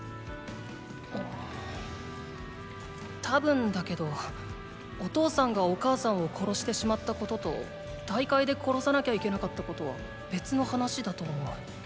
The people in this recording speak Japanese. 多分だけどお父さんがお母さんを殺してしまったことと大会で殺さなきゃいけなかったことは別の話だと思う。